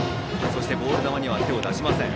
そしてボール球には手を出しません。